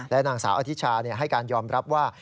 นางสาวอธิชาให้การยอมรับว่า